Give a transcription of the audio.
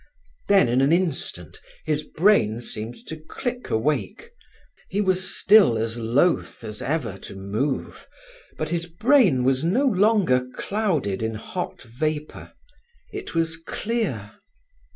Then, in an instant his brain seemed to click awake. He was still as loath as ever to move, but his brain was no longer clouded in hot vapour: it was clear.